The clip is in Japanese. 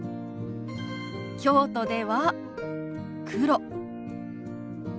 京都では「黒」。